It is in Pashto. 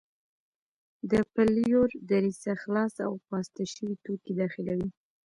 د پلیور دریڅه خلاصه او پاسته شوي توکي داخلوي.